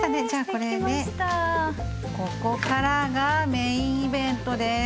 ここからがメインイベントです。